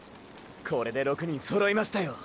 これで６人揃いましたよォ！！